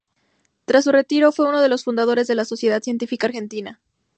Tras su retiro, fue uno de los fundadores de la Sociedad Científica Argentina.